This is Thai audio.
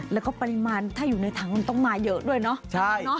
แล้วก็ปริมาณถ้าอยู่ในถังมันต้องมาเยอะด้วยเนาะ